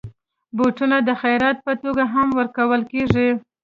بوټونه د خيرات په توګه هم ورکول کېږي.